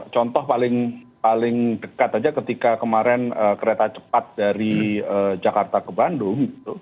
contoh paling dekat aja ketika kemarin kereta cepat dari jakarta ke bandung